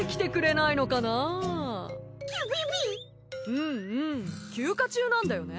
うんうん休暇中なんだよね。